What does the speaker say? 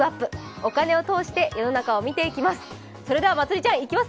お金を通して世の中を見ていきます。